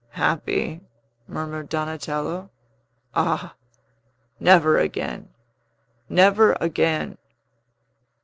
"Happy?" murmured Donatello. "Ah, never again! never again!"